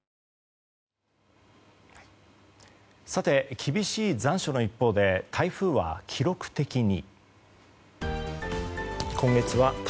厳しい残暑の一方で台風は記録的に。